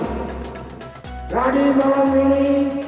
berarti besok hari